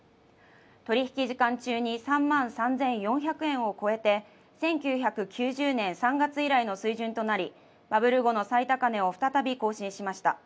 取引時間中に３万３４００円を超えて１９９０年３月以来の水準となり、バブル後の最高値を再び更新しました。